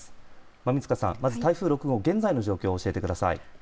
馬見塚さん、まず台風６号現在の状況を教えてください。